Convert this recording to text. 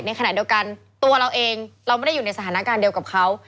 ขณะเดียวกันตัวเราเองเราไม่ได้อยู่ในสถานการณ์เดียวกับเขา